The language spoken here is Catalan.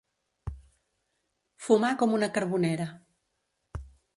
Fumar com una carbonera.